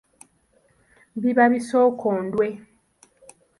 Biba ebisokondwe.